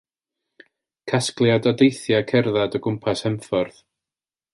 Casgliad o deithiau cerdded o gwmpas Henffordd.